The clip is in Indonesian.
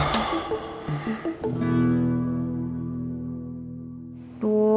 aduh ya allah